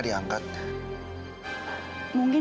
ada yang tersentuh